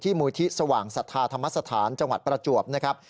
มูลที่สว่างศรัทธาธรรมสถานจังหวัดประจวบนะครับ